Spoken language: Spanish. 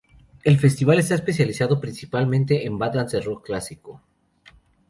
El festival está especializado principalmente en bandas de rock clásico.